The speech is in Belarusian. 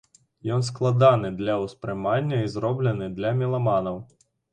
Ён складаны для ўспрымання і зроблены для меламанаў.